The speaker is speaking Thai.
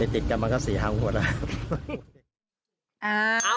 ติดกันมันก็๔ครั้งหมดแล้ว